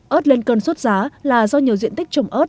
ớt lên cân xuất giá là do nhiều diện tích trồng ớt